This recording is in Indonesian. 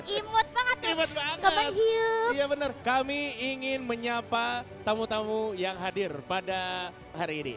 hemat banget hebat banget iya benar kami ingin menyapa tamu tamu yang hadir pada hari ini